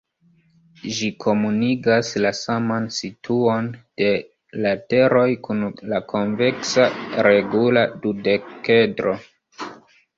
Ĝi komunigas la saman situon de lateroj kun la konveksa regula dudekedro.